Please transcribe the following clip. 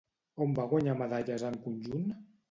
On va guanyar medalles en conjunt?